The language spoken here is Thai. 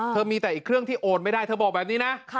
เธอมีแต่อีกเครื่องที่โอนไม่ได้เธอบอกแบบนี้นะ